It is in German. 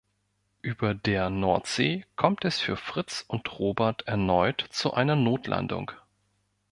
Über der Nordsee kommt es für Fritz und Robert erneut zu einer Notlandung.